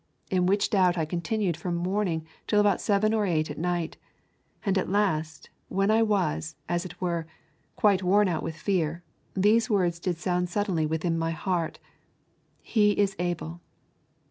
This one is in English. In which doubt I continued from morning till about seven or eight at night, and at last, when I was, as it were, quite worn out with fear, these words did sound suddenly within my heart: He is able.